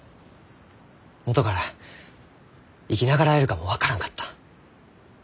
もとから生き長らえるかも分からんかった。